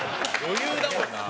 余裕だもんな。